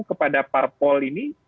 kepada parpol ini